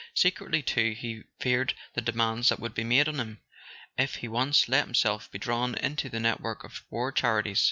Secretly, too, he feared the demands that would be made on him if he once let himself be drawn into the network of war charities.